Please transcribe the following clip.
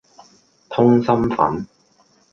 通心粉